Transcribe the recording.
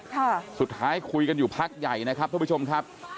ค่ะสุดท้ายคุยกันอยู่พักใหญ่นะครับทุกผู้ชมครับ